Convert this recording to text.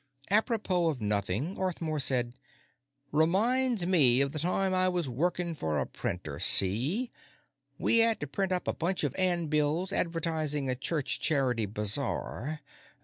Apropos of nothing, Arthmore said: "Reminds me of the time I was workin' for a printer, see? We 'ad to print up a bunch of 'andbills advertisin' a church charity bazaar.